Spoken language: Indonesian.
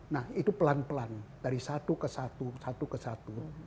nah itu pelan pelan dari satu ke satu satu ke satu